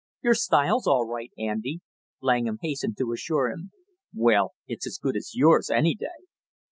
"Your style's all right, Andy!" Langham hastened to assure him. "Well, it's as good as yours any day!"